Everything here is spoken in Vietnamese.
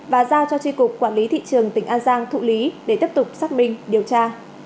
và giao cho tri cục quản lý thị trường tỉnh an giang thụ lý để tiếp tục xác minh điều tra